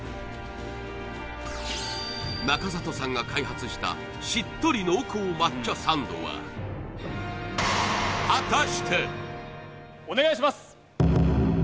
中里さんが開発したしっとり濃厚抹茶サンドはお願いします